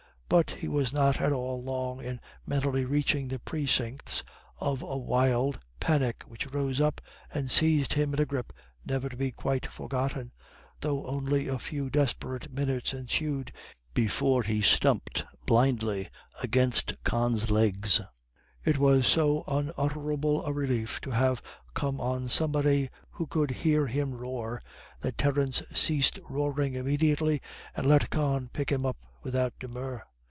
But he was not at all long in mentally reaching the precincts of a wild panic which rose up and seized him in a grip never to be quite forgotten, though only a few desperate minutes ensued before he stumped blindly against Con's legs. It was so unutterable a relief to have come on somebody who could hear him roar, that Terence ceased roaring immediately, and let Con pick him up without demur.